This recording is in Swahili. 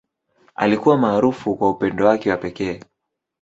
Alikuwa maarufu kwa upendo wake wa pekee.